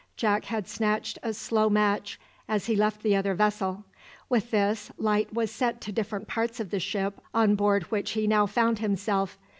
Jack had snatched a slow match as he left the other vessel. With this, light was set to different parts of the ship on board which he now found himself.